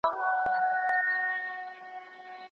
زه د قسمت او هغه زما په ژبه ښه پوهیږي